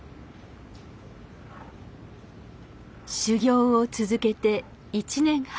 修業を続けて１年半。